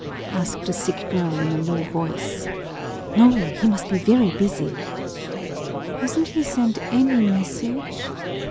asked the sick girl in a low voice. "No, he must be very busy." "Hasn't he sent any message?"